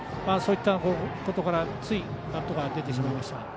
そういったことからついバットが出てしまいました。